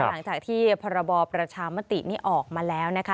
หลังจากที่พรบประชามตินี่ออกมาแล้วนะคะ